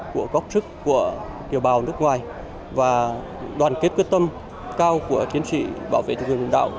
của góc trức của tiều bào nước ngoài và đoàn kết quyết tâm cao của chiến sĩ bảo vệ chủ quyền biển đảo